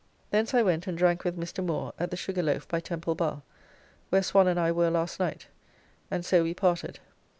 Thence I went and drank with Mr. Moore at the Sugar Loaf by Temple Bar, where Swan and I were last night, and so we parted.